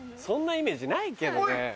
そんなイメージないけどね。